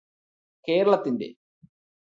കേരളത്തിന്റെ